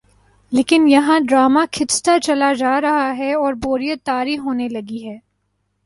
لیکن یہاں ڈرامہ کھنچتا چلا جارہاہے اوربوریت طاری ہونے لگی ہے۔